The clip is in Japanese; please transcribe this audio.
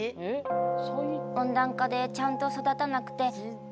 温暖化でちゃんと育たなくて。